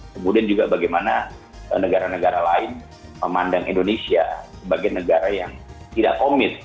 kemudian juga bagaimana negara negara lain memandang indonesia sebagai negara yang tidak komit